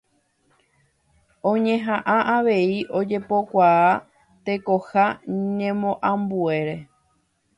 Oñehaʼã avei ojepokuaa tekoha ñemoambuére.